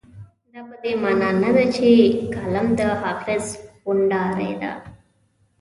دا په دې مانا نه ده چې کالم د حافظ غونډارۍ ده.